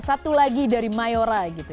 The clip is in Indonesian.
satu lagi dari mayora gitu